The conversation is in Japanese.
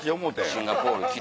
シンガポール来て。